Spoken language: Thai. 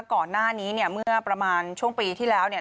ก่อนหน้านี้เนี่ยเมื่อประมาณช่วงปีที่แล้วเนี่ย